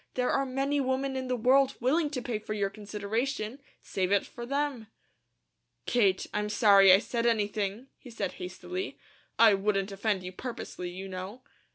There are many women in the world willing to pay for your consideration; save it for them." "Kate, I'm sorry I said anything," he said hastily. "I wouldn't offend you purposely, you know."